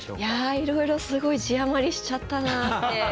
いやいろいろすごい字余りしちゃったなって後悔。